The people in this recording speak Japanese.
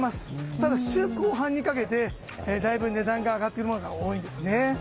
ただ、週後半にかけてだいぶ値段の上がるものが多いんです。